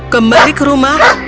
kembali ke rumah